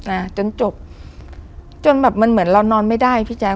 อ่าจนจบจนแบบมันเหมือนเรานอนไม่ได้พี่แจ๊